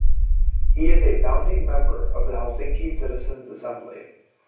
He is a founding member of the Helsinki Citizens Assembly.